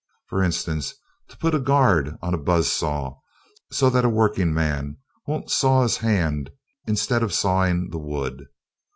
For instance, to put a guard on a buzz saw so that a workingman won't saw his hand instead of sawing the wood.